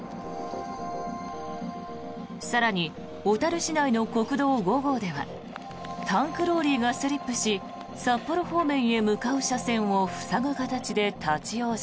更に、小樽市内の国道５号ではタンクローリーがスリップし札幌方面へ向かう車線を塞ぐ形で立ち往生。